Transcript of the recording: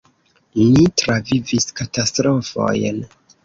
"Ni travivis katastrofojn."